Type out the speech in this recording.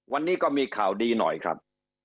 วันนี้ก็มีข่าวดีหน่อยครับ